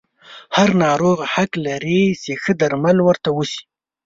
هر ناروغ حق لري چې ښه درملنه ورته وشي.